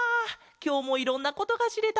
きょうもいろんなことがしれた。